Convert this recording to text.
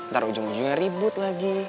ntar ujung ujungnya ribut lagi